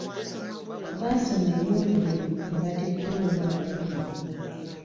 Baasoma eby'obulimi ne batikkirwa omwaka guno.